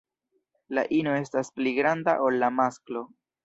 La ino estas pli granda ol la masklo.